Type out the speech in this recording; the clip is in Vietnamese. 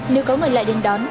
nếu có người lạ đứng đón